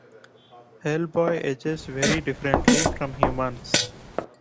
Hellboy ages very differently from humans.